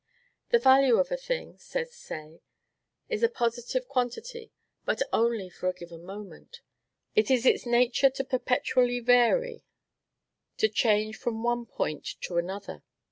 "The value of a thing," says Say, "is a positive quantity, but only for a given moment. It is its nature to perpetually vary, to change from one point to another.